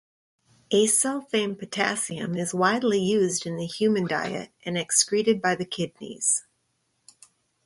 Acesulfame potassium is widely used in the human diet and excreted by the kidneys.